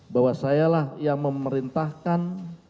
bahwa sayalah yang memerintahkan